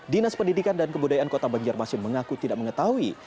dinas pendidikan dan kebudayaan kota banjarmasin mengaku tidak mengetahui